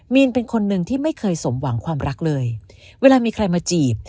มีนเป็นคนหนึ่งที่ไม่เคยสมหวังความรักเลยเวลามีใครมาจีบ